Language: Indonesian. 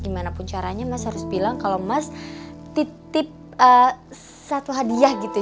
dimanapun caranya mas harus bilang kalau mas titip satu hadiah gitu ya